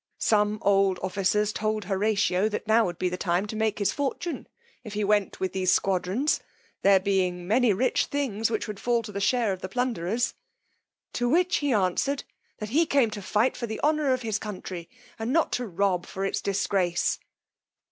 Some old officers told Horatio that now would be the time to make his fortune if he went with these squadrons, there being many rich things which would fall to the share of the plunderers; to which he answered, that he came to fight for the honour of his country, and not to rob for its disgrace.